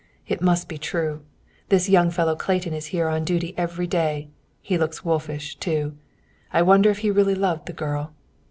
"It must be true. This young fellow Clayton is here on duty every day; he looks wolfish, too. I wonder if he really loved the girl.